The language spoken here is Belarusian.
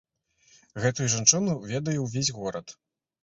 Гэтую жанчыну ведае ўвесь горад.